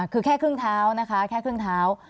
คือแค่ครึ่งเท้านะคะแค่ครึ่งเท้า